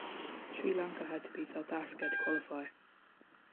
Sri Lanka had to beat South Africa to qualify.